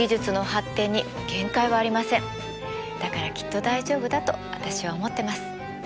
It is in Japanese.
だからきっと大丈夫だと私は思ってます。